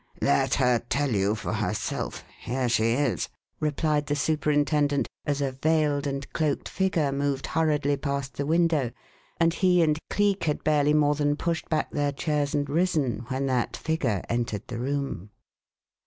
"Let her tell you for herself here she is!" replied the superintendent, as a veiled and cloaked figure moved hurriedly past the window; and he and Cleek had barely more than pushed back their chairs and risen when that figure entered the room.